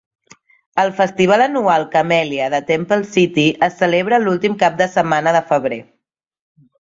El Festival Anual Camellia de Temple City es celebra l'últim cap de setmana de febrer.